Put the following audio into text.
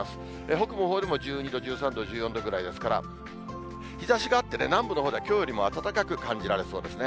北部のほうでも１２度、１３度、１４度ぐらいですから、日ざしがあって、南部のほうではきょうよりも暖かく感じられそうですね。